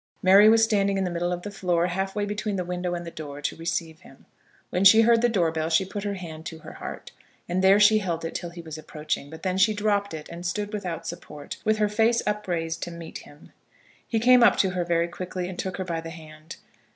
Mary was standing in the middle of the floor, half way between the window and the door, to receive him. When she heard the door bell she put her hand to her heart, and there she held it till he was approaching; but then she dropped it and stood without support, with her face upraised to meet him. He came up to her very quickly and took her by the hand.